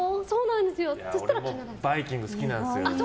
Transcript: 僕もバイキング好きなんですよ。